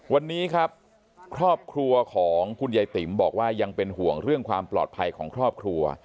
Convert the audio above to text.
วันนี้ครับครอบครัวของคุณยายติ๋มบอกว่ายังเป็นห่วงเรื่องความปลอดภัยของครอบครัว